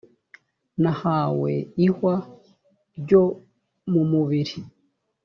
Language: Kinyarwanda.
nahawe ihwa ryo mu mubiri